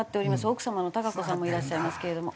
奥様の貴子さんもいらっしゃいますけれども。